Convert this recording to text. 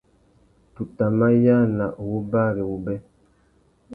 Tu tà mà yāna u wú bari wubê.